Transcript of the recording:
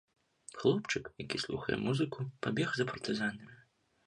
Хлопчык, які слухае музыку, пабег за партызанамі.